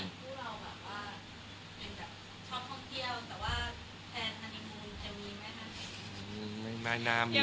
อย่างผู้เราแบบว่าเป็นแบบชอบท่องเที่ยวแต่ว่าแผนนานิมูลจะมีแม่นามอย่างนี้